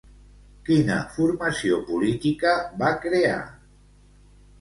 Quina formació política va crear?